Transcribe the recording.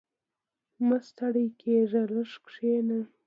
• مه ستړی کېږه، لږ کښېنه.